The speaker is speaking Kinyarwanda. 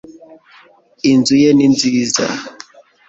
inzu ye ni nziza